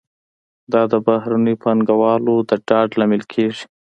دا د بهرنیو پانګوالو د ډاډ لامل کیږي.